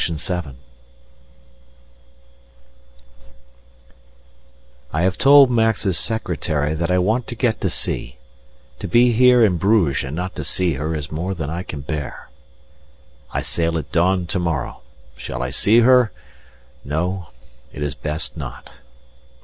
I have told Max's secretary that I want to get to sea; to be here in Bruges and not to see her is more than I can bear. I sail at dawn to morrow. Shall I see her? No, it is best not.